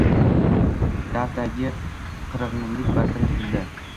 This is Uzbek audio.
“Daf”dagi qing‘irlik bartaraf etildi